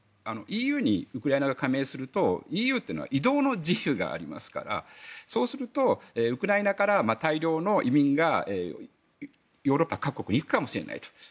ＥＵにウクライナが加盟するとＥＵというのは移動の自由がありますからそうすると、ウクライナから大量の移民がヨーロッパ各国に行くかもしれないと。